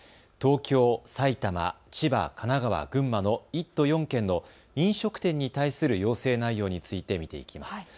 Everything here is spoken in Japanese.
東京、埼玉、千葉、神奈川、群馬の１都４県の飲食店に対する要請内容について見ていきます。